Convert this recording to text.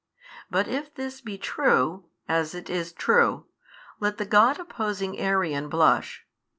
But if this be true, as it is true, let the God opposing Arian blush.